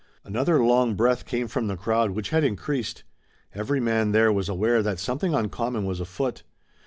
Another long breath came from the crowd which had increased. Every man there was aware that something uncommon was afoot.